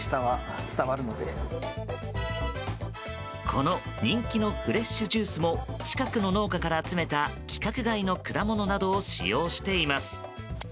この、人気のフレッシュジュースも近くの農家から集めた、規格外の果物などを使用しています。